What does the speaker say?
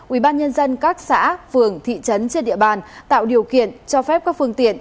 ubnd các xã phường thị trấn trên địa bàn tạo điều kiện cho phép các phương tiện